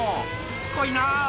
しつこいな」